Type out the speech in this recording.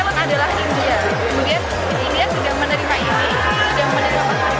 kemudian india sudah menerima ini sudah menerima penghargaan